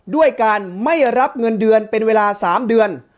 ด้วยการไม่รับเงินเดือนเป็นเวลา๓เดือน